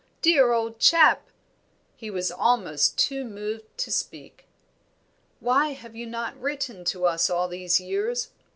dear old chap!" he was almost too moved to speak. "Why have you not written to us all these years?"